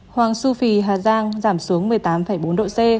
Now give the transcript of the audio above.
hoàng suphi hà giang giảm xuống một mươi tám bốn độ c